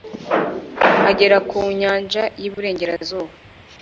agera ku nyanja y'iburengerazuba